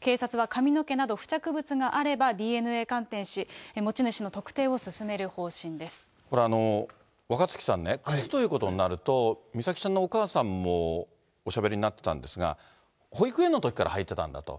警察は髪の毛など、付着物があれば、ＤＮＡ鑑定し、これ、若槻さんね、靴ということになると、美咲ちゃんのお母さんもおしゃべりになってたんですが、保育園のときから履いてたんだと。